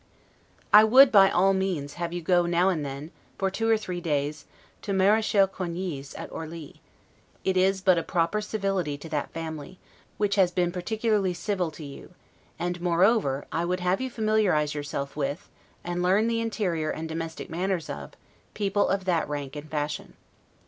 I would, by all means, have you go now and then, for two or three days, to Marechal Coigny's, at Orli; it is but a proper civility to that family, which has been particularly civil to you; and, moreover, I would have you familiarize yourself with, and learn the interior and domestic manners of, people of that rank and fashion.